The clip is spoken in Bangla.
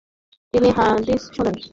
তিনি হাদিস শোনেন ।